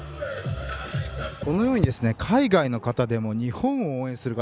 このように海外の方でも日本を応援する方